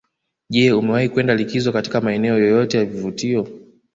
Je umewahi kwenda likizo katika maeneo yoyote ya vivutio